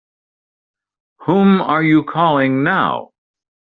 Whom are you calling now?